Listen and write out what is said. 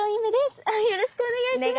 よろしくお願いします。